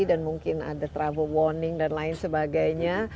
dan mungkin ada travel warning dan lain sebagainya